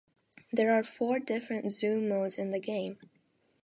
There are four different zoom modes in the game.